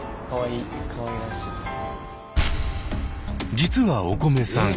実はおこめさん